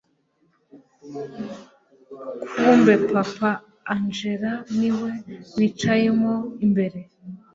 kumbe papa angella niwe wicayemo imbere